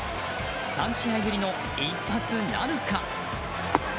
３試合ぶりの一発なるか？